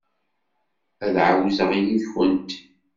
Ad ɛawzeɣ yid-went.